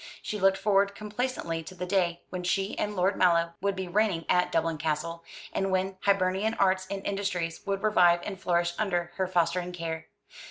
She looked forward complacently to the day when she and Lord Mallow would be reigning at Dublin Castle, and when Hibernian arts and industries would revive and flourish under her fostering care.